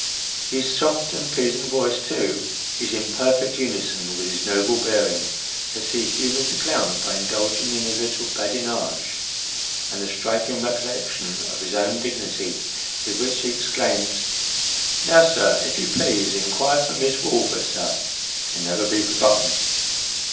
His soft and pleasing voice, too, is in perfect unison with his noble bearing, as ho humours the clown by indulging in a little badinage ; and the striking recollection of his own dignity, with which he exclaims, " Now, sir, if you please, inquire for Miss Woolford, sir," can neve r be forgotten.